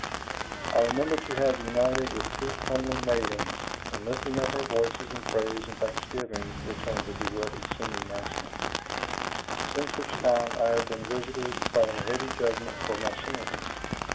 "I remember to have united with two comely maidens, in lifting up our voices in praise and thanksgiving," returned the bewildered singing master; "since which time I have been visited by a heavy judgment for my sins.